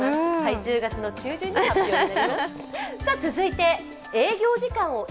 １０月中旬に発表になります。